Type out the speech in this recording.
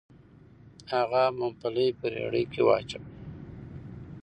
هغه ممپلي په رېړۍ واچول. .